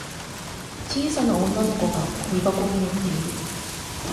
小さな女の子がゴミ箱に乗っている。